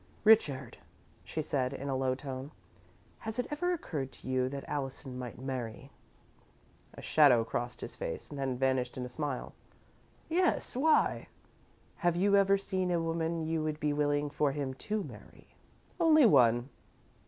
"Richard," she said, in a low tone, "has it ever occurred to you that Allison might marry?" A shadow crossed his face, then vanished in a smile. "Yes. Why?" "Have you ever seen a woman you would be willing for him to marry?" "Only one."